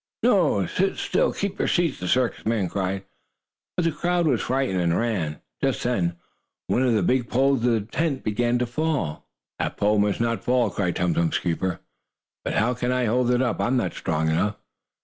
"No! Sit still! Keep your seats!" the circus men cried, but the crowd was frightened and ran. Just then, one of the big poles of the tent began to fall. "That pole must not fall!" cried Tum Tum's keeper. "But how can I hold it up? I am not strong enough."